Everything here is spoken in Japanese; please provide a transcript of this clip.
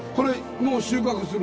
もう収穫する